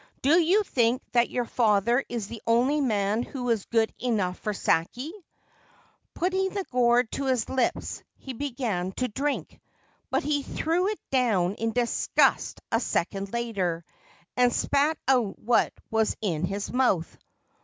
* Do you think that your father is the only man who is good enough for sake ?' Putting the gourd to his lips, he began to drink ; but he threw it down in disgust a second later, and spat out what was in his mouth.